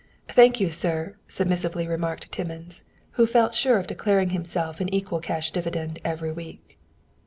"Thank you, sir," submissively remarked Timmins, who felt sure of declaring himself an equal cash dividend every week.